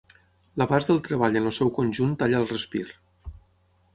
L'abast del treball en el seu conjunt talla el respir.